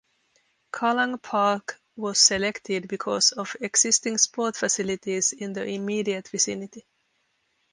Kallang Park was selected because of existing sport facilities in the immediate vicinity.